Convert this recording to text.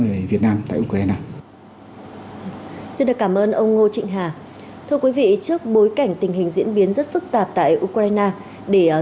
hoặc số điện thoại